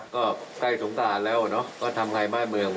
ก็ใกล้สงการแล้วทำยังไงบ้างเมือง